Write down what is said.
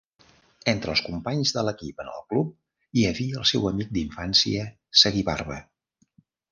Entre els companys de l'equip en el club hi havia el seu amic d'infància Sagibarba.